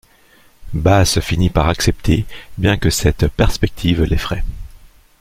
Bass finit par accepter bien que cette perspective l'effraie.